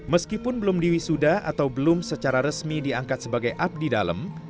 meskipun belum diwisuda atau belum secara resmi diangkat sebagai abdi dalam